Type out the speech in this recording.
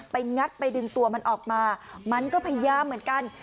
งัดไปดึงตัวมันออกมามันก็พยายามเหมือนกัน